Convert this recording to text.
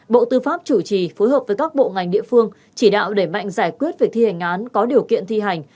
bộ tư pháp chủ trì phối hợp với các bộ ngành địa phương chỉ đạo đẩy mạnh giải quyết việc thi hành án có điều kiện thi hành